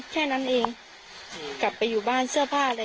เขาก็พูดอย่างนั้น